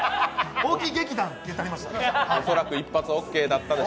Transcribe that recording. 「大木劇団」って言ってはりました。